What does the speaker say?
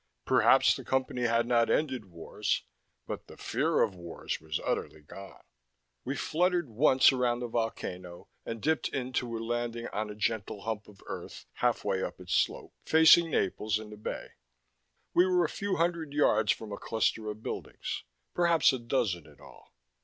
Perhaps the Company had not ended wars. But the fear of wars was utterly gone. We fluttered once around the volcano, and dipped in to a landing on a gentle hump of earth halfway up its slope, facing Naples and the Bay. We were a few hundred yards from a cluster of buildings perhaps a dozen, in all.